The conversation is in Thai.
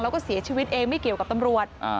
แล้วก็เสียชีวิตเองไม่เกี่ยวกับตำรวจ